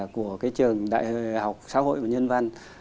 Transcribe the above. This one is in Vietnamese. của trường đại học xã hội và nhân văn